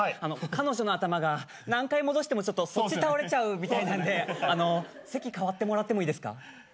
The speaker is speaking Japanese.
彼女の頭が何回戻してもそっち倒れちゃうみたいなんで席替わってもらってもいいですか？